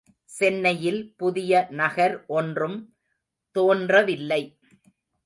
சென்னையில் புதிய நகர் ஒன்றும் தோன்ற வில்லை.